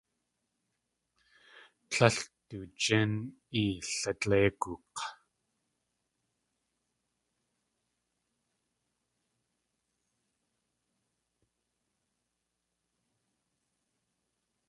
Líl du jín iladléiguk̲!